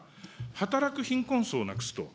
働く貧困層をなくすと。